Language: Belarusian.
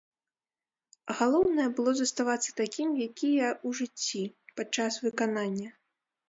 Галоўнае было заставацца такім, які я ў жыцці, падчас выканання.